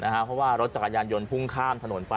นะคะเพราะว่ารถจากการยันยลพุ่งข้ามถนนไป